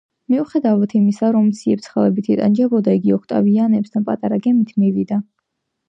მიუხედავად იმისა, რომ ციებ-ცხელებით იტანჯებოდა, იგი ოქტავიანესთან პატარა გემით მივიდა.